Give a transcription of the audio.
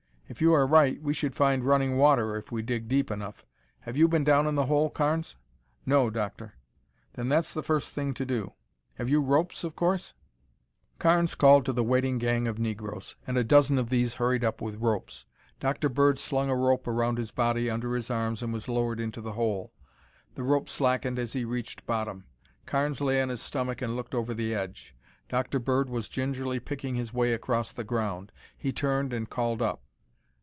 If you are right, we should find running water if we dig deep enough. Have you been down in the hole, Carnes?" "No, Doctor." "Then that's the first thing to do. You have ropes, of course?" Carnes called to the waiting gang of negroes and a dozen of these hurried up with ropes. Dr. Bird slung a rope around his body under his arms and was lowered into the hole. The rope slackened as he reached bottom. Carnes lay on his stomach and looked over the edge. Dr. Bird was gingerly picking his way across the ground. He turned and called up.